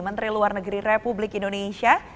menteri luar negeri republik indonesia